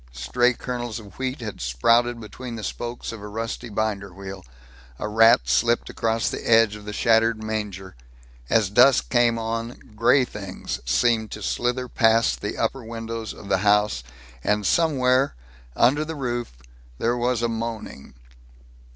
Stray kernels of wheat had sprouted between the spokes of a rusty binder wheel. A rat slipped across the edge of the shattered manger. As dusk came on, gray things seemed to slither past the upper windows of the house, and somewhere, under the roof, there was a moaning.